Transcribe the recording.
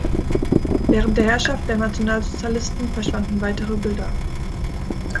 Während der Herrschaft der Nationalsozialisten verschwanden weitere Bilder.